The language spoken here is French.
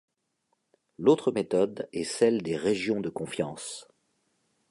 L'autre méthode est celle des régions de confiance.